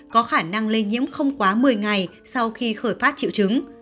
có khả năng lây nhiễm không quá một mươi ngày sau khi khởi phát triệu chứng